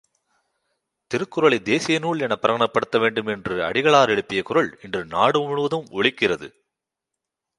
திருக்குறளைத் தேசிய நூல் எனப் பிரகடனப்படுத்த வேண்டும் என்று அடிகளார் எழுப்பிய குரல் இன்று நாடு முழுவதும் ஒலிக்கிறது.